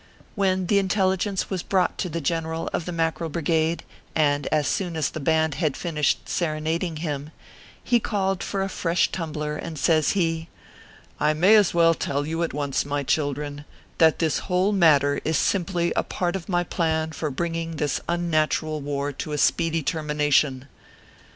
When the intelligence was brought to the General of the Mackerel Brigade, and as soon as the band had finished serenading him, he called for a fresh tumbler, and says he :" I may as well tell you at once, my children, that this whole matter is simply a part of my plan for bringing this unnatural war to a speedy termination.